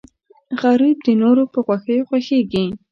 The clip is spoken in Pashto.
غریب د نورو په خوښیو خوښېږي